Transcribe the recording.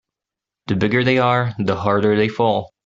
The bigger they are the harder they fall.